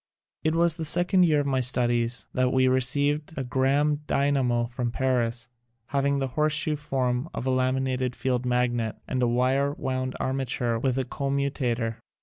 It was in the second ye ir of my studies that we received a Gramme dynamo from Paris, having the horseshoe form of a lami nated field magnet, and a Wire wound arma ture with a commutator.